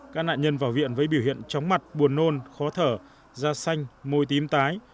các nạn nhân vào viện với biểu hiện chóng mặt buồn nôn khó thở da xanh môi tím tái